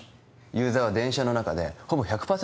ユーザーは電車の中でほぼ１００％